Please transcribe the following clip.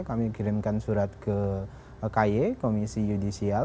kami kirimkan surat ke ky komisi yudisial